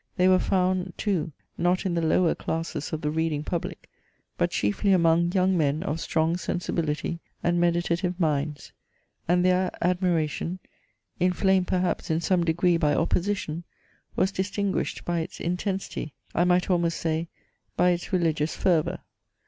They were found too not in the lower classes of the reading public, but chiefly among young men of strong sensibility and meditative minds; and their admiration (inflamed perhaps in some degree by opposition) was distinguished by its intensity, I might almost say, by its religious fervour.